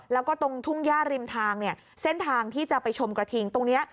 แล้วก็ตรงทุ่งย่าริมทางเนี่ยเส้นทางที่จะไปชมกระทิงตรงนี้